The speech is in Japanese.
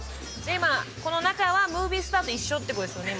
今この中はムービースターと一緒ってことですよね？